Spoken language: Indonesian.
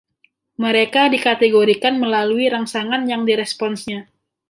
Mereka dikategorikan melalui rangsangan yang diresponsnya.